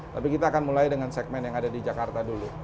tapi kita akan mulai dengan segmen yang ada di jakarta dulu